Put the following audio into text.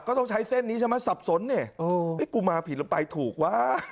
ก็ต้องใช้เส้นนี้ใช่มะสับสนเนี่ยเอ้ยกูมาผิดหรือไปถูกวะ